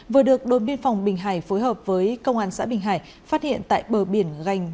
vừa được đồn biên phòng bình hải phối hợp với công an xã bình hải phát hiện tại bờ biển gành